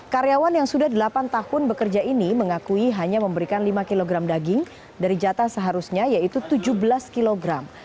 karyawan yang sudah delapan tahun bekerja ini mengakui hanya memberikan lima kg daging dari jatah seharusnya yaitu tujuh belas kilogram